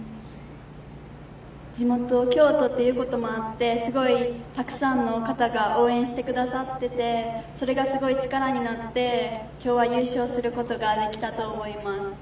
地元京都ということもあって、すごいたくさんの方が応援してくださってて、それが、すごい力になって、きょうは優勝することができたと思います。